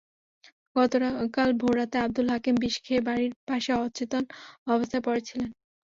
গতকাল ভোররাতে আবদুল হাকিম বিষ খেয়ে বাড়ির পাশে অচেতন অবস্থায় পড়ে ছিলেন।